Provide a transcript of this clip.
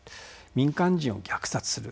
民間人を虐殺する。